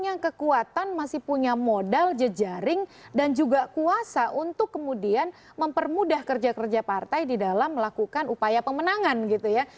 saya ingin mengingatkan bahwa partai ini masih punya kekuatan masih punya modal jejaring dan juga kuasa untuk kemudian mempermudah kerja kerja partai di dalam melakukan upaya pemenangan gitu ya